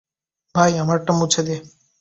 ভাই, আমারটা মুছে দে।